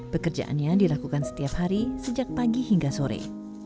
pekerjaannya dilakukan setiap hari sejak pagi hingga sore